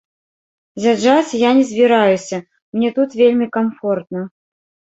З'язджаць я не збіраюся, мне тут вельмі камфортна.